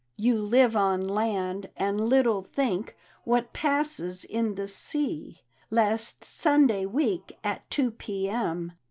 " You live on land, and little think What passes in the sea; Last Sunday week, at 2 p. m..